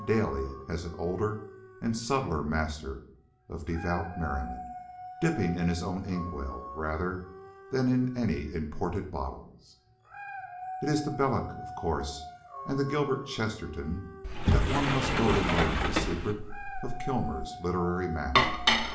Daly as an older and subtler master of devout merriment, dipping in his own inkwell rather than in any imported bottles. It is to Belloc, of course, and to Gilbert Chesterton, that one must go to learn the secret of Kilmer's literary manner.